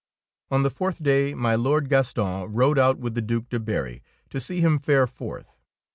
On the fourth day my Lord Graston rode out with the Due de Berry to see him fare forth.